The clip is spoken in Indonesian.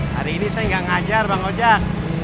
hari ini saya nggak ngajar bang ojek